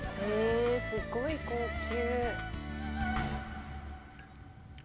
すごい高級！